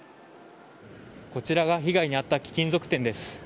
こちらが被害に遭った貴金属店です。